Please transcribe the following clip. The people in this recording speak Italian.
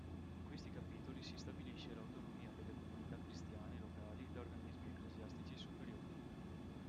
In questi capitoli si stabilisce l'autonomia delle comunità cristiane locali da organismi ecclesiastici superiori.